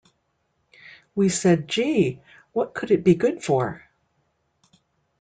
We said, 'Gee, what could it be good for?